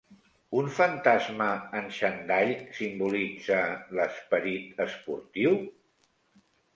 Un fantasma en xandall simbolitza l'esperit esportiu?